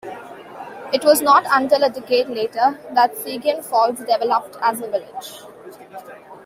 It was not until a decade later that Seguin Falls developed as a village.